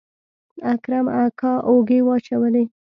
اکرم اکا اوږې واچولې.